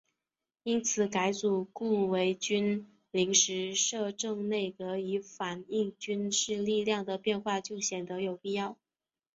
因此改组顾维钧临时摄政内阁以反映军事力量的变化就显得有必要。